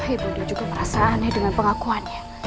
ibu nda juga merasa aneh dengan pengakuannya